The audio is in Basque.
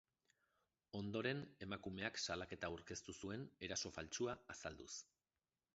Ondoren, emakumeak salaketa aurkeztu zuen eraso faltsua azalduz.